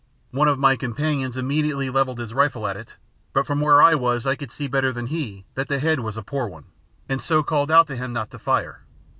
One of my companions immediately levelled his rifle at it, but from where I was I could see better than he that the head was a poor one, and so called out to him not to fire.